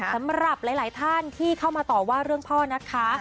สำหรับหลายท่านที่เข้ามาต่อว่าเรื่องพ่อนะคะ